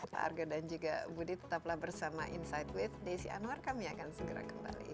pak arga dan juga budi tetaplah bersama insight with desi anwar kami akan segera kembali